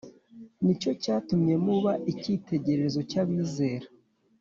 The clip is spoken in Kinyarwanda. Ni cyo cyatumye muba icyitegererezo cy abizera